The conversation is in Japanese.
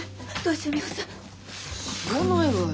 知らないわよ。